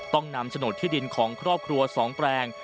ต้องนำโฉนดที่ดินของครอบครัว๒แปลง